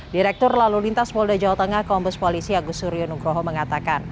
direktur lalu lintas polda jawa tengah kombes polisi agus suryo nugroho mengatakan